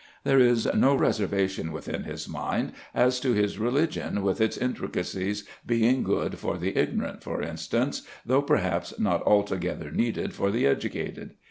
There is no reservation within his mind, as to his religion with its intricacies being good for the ignorant, for instance, though perhaps not altogether needed for the educated.